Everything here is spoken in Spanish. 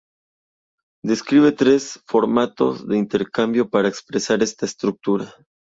Describe tres formatos de intercambio para expresar esta estructura.